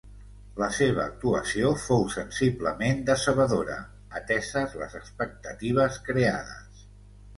La seva actuació fou sensiblement decebedora, ateses les expectatives creades.